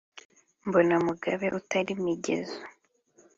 mbona mugabe utari migezo